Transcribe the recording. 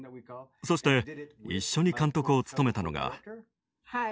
そして一緒に監督を務めたのが。